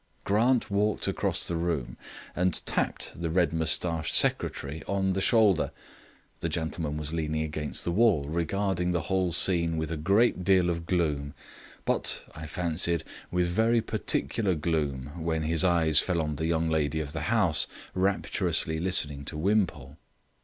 Grant walked across the room and tapped the red moustached secretary on the shoulder. That gentleman was leaning against the wall regarding the whole scene with a great deal of gloom; but, I fancied, with very particular gloom when his eyes fell on the young lady of the house rapturously listening to Wimpole.